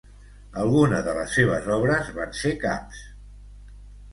Algunes de les seves obres van ser caps.